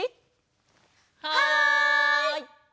はい！